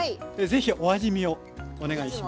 ぜひお味見をお願いします。